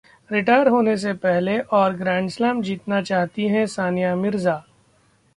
retire होने से पहले और ग्रैंडस्लेम जीतना चाहती हैं सानिया मिर्जा